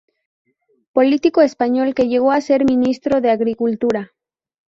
Político español que llegó a ser Ministro de Agricultura.